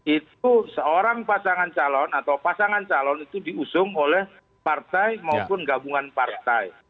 itu seorang pasangan calon atau pasangan calon itu diusung oleh partai maupun gabungan partai